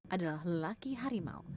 adalah lelaki harimau